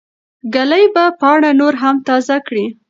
ږلۍ به پاڼه نوره هم تازه کړي.